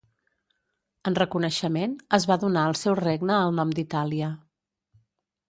En reconeixement es va donar al seu regne el nom d'Itàlia.